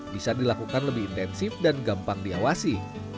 bisa dilakukan lebih intensif dan gampang diawasi